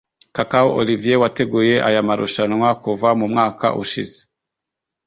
Cacau Olivier wateguye aya marushanwa kuva mu mwaka ushize